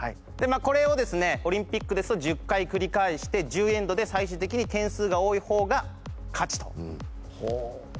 これをですねオリンピックですと１０回繰り返して１０エンドで最終的に点数が多い方が勝ちと。